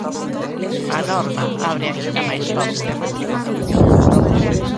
A norma abre aínda máis o sistema á privada.